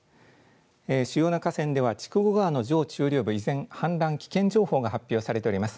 主要な河川では筑後川の上中流部、依然、氾濫危険情報が発表されております。